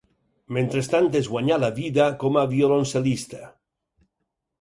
Mentrestant es guanyà la vida com a violoncel·lista.